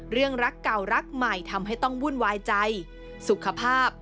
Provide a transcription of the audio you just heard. เรื่องรักเก่ารักใหม่ทำให้ต้องวุ่นวายใจสุขภาพ